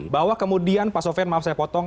bahwa kemudian pak sofian maaf saya potong